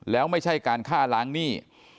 แล้วไม่ใช่การฆ่าล้างหนี้